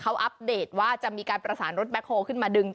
เขาอัพเดทว่าจะมีการประสานรถแบ๊คโฮลดึง